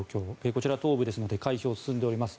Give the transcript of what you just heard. こちら、東部ですので開票が進んでいます。